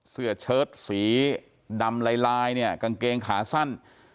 เสื้อเชิดสีดำลายกางเกงขาสั้น